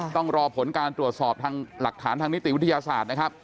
ต้องรอผลการตรวจสอบทางหลักฐานทางนิติวิทยาศาสตร์นะครับ